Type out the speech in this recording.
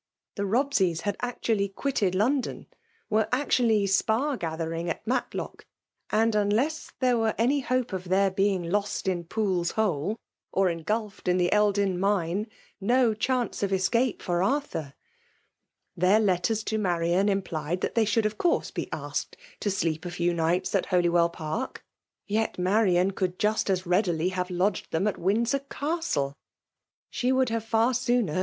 The Sobseys had actually quitted London, .were actually spar gathering at Matlodc ; and unless [there were any hope of their being lost in Poole's Hole, or engulphed in the iEldin Mine, no chance of escape for Arthur ! Theit letters to Marian implied, that they should of course be asked to dleep a few nights at HolyweU Park, yet M^an could just as rea dily have lodged them at Windsor Castle ! 12 FEMALE DOMINATION. 'She would have far sooner.